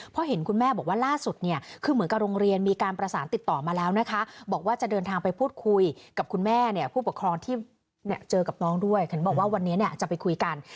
เพราะเห็นคุณแม่บอกว่าล่าสุดคือเหมือนกับโรงเรียน